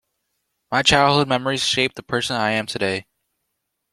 My childhood memories shaped the person I am today.